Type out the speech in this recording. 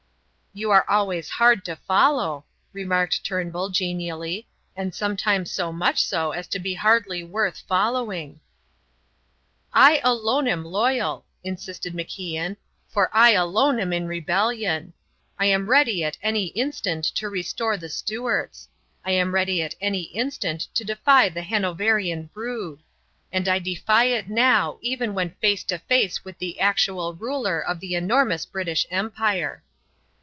"You are always hard to follow," remarked Turnbull, genially, "and sometimes so much so as to be hardly worth following." "I alone am loyal," insisted MacIan; "for I alone am in rebellion. I am ready at any instant to restore the Stuarts. I am ready at any instant to defy the Hanoverian brood and I defy it now even when face to face with the actual ruler of the enormous British Empire!"